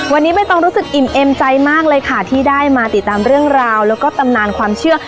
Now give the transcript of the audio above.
วันนี้ใบตองรู้สึกอิ่มเอ็มใจมากเลยค่ะที่ได้มาติดตามเรื่องราวแล้วก็ตำนานความเชื่อ